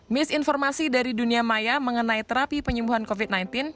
misinformasi dari dunia maya mengenai terapi penyembuhan covid sembilan belas